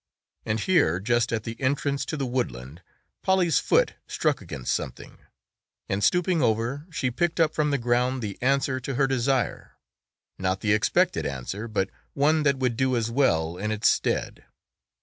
And here, just at the entrance to the woodland, Polly's foot struck against something, and stooping over she picked up from the ground the answer to her desire, not the expected answer but one that would do as well in its stead.